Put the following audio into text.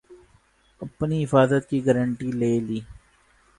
اپنی حفاظت کی گارنٹی لے لی